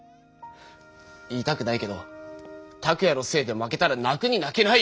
言いたくないけどタクヤのせいで負けたら泣くに泣けないよ！